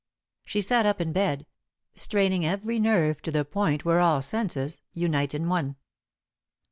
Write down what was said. She sat up in bed, straining every nerve to the point where all senses unite in one.